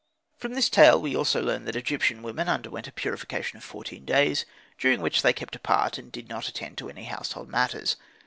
From this tale we also learn that Egyptian women underwent a purification of fourteen days, during which they kept apart and did not attend to any household matters.